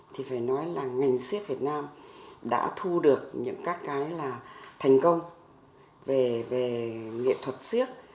thì phải nói là ngành siếc việt nam đã thu được những các cái là thành công về nghệ thuật siếc